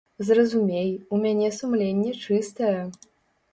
Зразумей, у мяне сумленне чыстае.